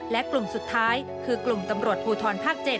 และกลุ่มสุดท้ายคือกลุ่มตำรวจภูทรภาค๗